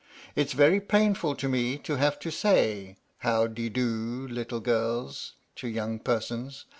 " It 's very painful to me to have to say ' How de do, little girls ' to young persons.